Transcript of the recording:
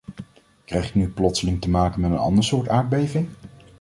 Krijg ik nu plotseling te maken met een ander soort aardbeving?